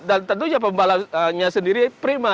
dan tentunya pembalapnya sendiri prima